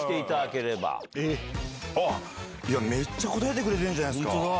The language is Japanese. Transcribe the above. めっちゃ答えてくれてるじゃないですか。